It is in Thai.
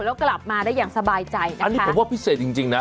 แล้วกลับมาได้อย่างสบายใจนะคะอันนี้ผมว่าพิเศษจริงจริงนะ